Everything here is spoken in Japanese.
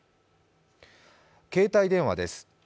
携帯電話です。